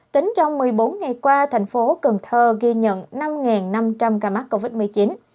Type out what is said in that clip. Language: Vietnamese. tính trong một mươi bốn ngày qua thành phố cần thơ ghi nhận năm năm trăm linh ca mắc covid một mươi chín